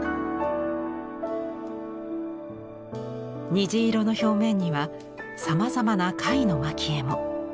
虹色の表面にはさまざまな貝の蒔絵も。